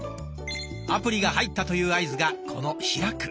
アプリが入ったという合図がこの「開く」。